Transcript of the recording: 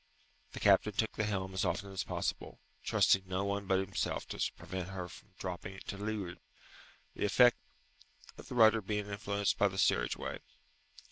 The captain took the helm as often as possible, trusting no one but himself to prevent her from dropping to leeward, the effect of the rudder being influenced by the steerage way.